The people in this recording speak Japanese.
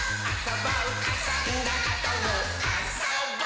「あそんだあともあそぼ」